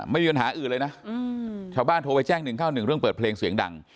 ไม่มีปัญหาอื่นเลยนะชาวบ้านโทรไปแจ้ง๑๙๑เรื่องเปิดเพลงเสียงดัง